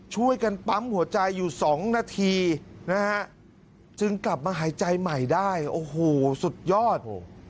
ช่วยกันปั๊มหัวใจอยู่๒นาทีนะฮะจึงกลับมาหายใจใหม่ได้โอ้โหสุดยอด